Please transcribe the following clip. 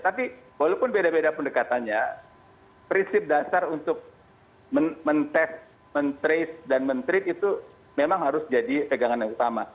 tapi walaupun beda beda pendekatannya prinsip dasar untuk men test men trace dan men treat itu memang harus jadi pegangan yang utama